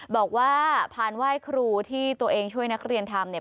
พานไหว้ครูที่ตัวเองช่วยนักเรียนทำเนี่ย